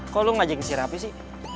kok lo ngajakin si raffi sih